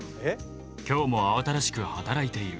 今日も慌ただしく働いている。